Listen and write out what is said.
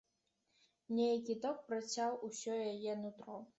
Нейкі ток працяў усё яе нутро.